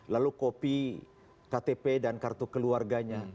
lalu kopi ktp dan kartu keluarganya